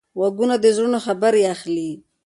غوږونه د زړونو خبرې اخلي